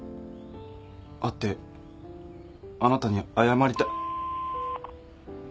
会ってあなたに謝りた。